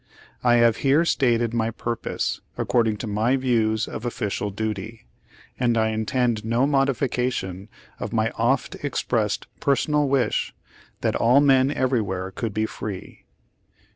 "I have here stated my purpose according to my views of official duty; and I intend no modification of my oft expressed personal wish that all men everywhere could be free.